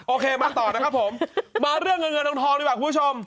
โอเคมาต่อนะครับผมมาเรื่องเงินเงินทองดีกว่าคุณผู้ชม